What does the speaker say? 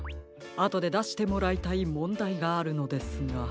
あとでだしてもらいたいもんだいがあるのですが。